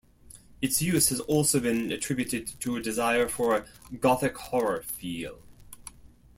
Its use has also been attributed to a desire for a "gothic horror" feel.